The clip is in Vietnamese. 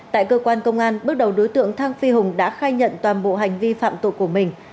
tại cơ quan công an bước đầu đối tượng thang phi hùng đã khai nhận toàn bộ hành vi phạm tội của mình